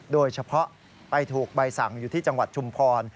โดยเฉพาะไปถูกใบสั่งอยู่ที่จังหวัดชุมพร